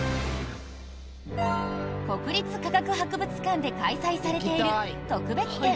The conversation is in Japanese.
国立科学博物館で開催されている特別展